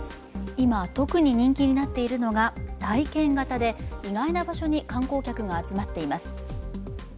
今特に人気になっているのが体験型で、意外な場所に観光客が集まっています。